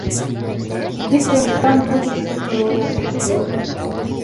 Тик йорттан һүҙ ишетеп тороуы яҡшы түгел.